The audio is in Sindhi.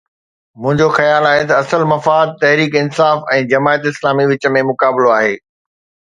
منهنجو خيال آهي ته اصل مفاد تحريڪ انصاف ۽ جماعت اسلامي وچ ۾ مقابلو آهي.